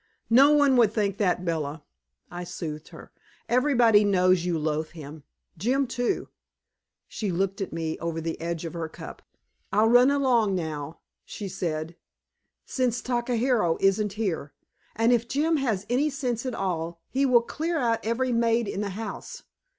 "No one would think that, Bella," I soothed her. "Everybody knows you loathe him Jim, too." She looked at me over the edge of her cup. "I'll run along now," she said, "since Takahiro isn't here. And if Jim has any sense at all, he will clear out every maid in the house.